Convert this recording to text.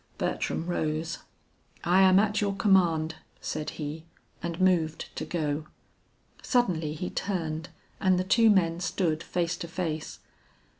Bertram rose. "I am at your command," said he, and moved to go. Suddenly he turned, and the two men stood face to face.